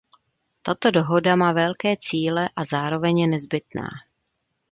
Tato dohoda má velké cíle a zároveň je nezbytná.